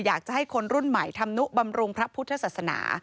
อยากจะให้คนรุ่นใหม่ธรรมนุบำรุงพระพุทธศาสนา